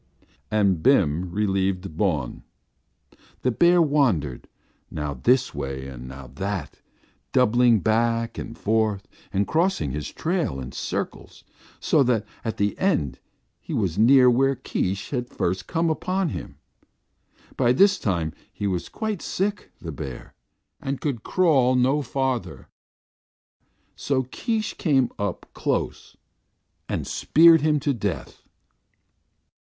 And Bim relieved Bawn. "The bear wandered, now this way and now that, doubling back and forth and crossing his trail in circles, so that at the end he was near where Keesh had first come upon him. By this time he was quite sick, the bear, and could crawl no farther, so Keesh came up close and speared him to death."